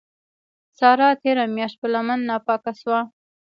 سارا تېره مياشت په لمن ناپاکه سوه.